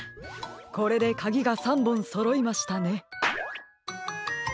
これでかぎが３ぼんそろいましたね。